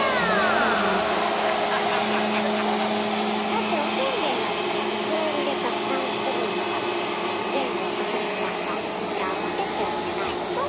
だっておせんべいだって袋売りでたくさん売ってるのとかって全部を職人さんが裏表ってわけじゃないでしょ？